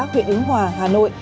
huyện ứng hòa hà nội